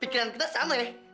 pikiran kita sama ya